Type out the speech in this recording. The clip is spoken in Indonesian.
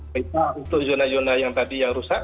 kita untuk zona zona yang tadi yang rusak